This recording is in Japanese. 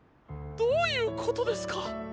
どういうことですか？